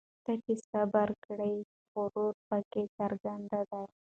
ته چي صبر کړې غرور پکښي څرګند دی